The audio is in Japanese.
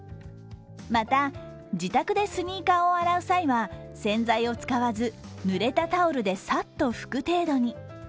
また、自宅でスニーカーを洗う際は洗剤を使わずぬれたタオルでサッと拭く程度に。